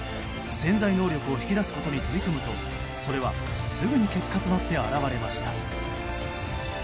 潜在能力を引き出すことに取り組むとそれは、すぐに結果となって現れました。